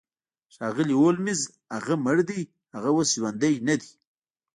ښاغلی هولمز هغه مړ دی هغه اوس ژوندی ندی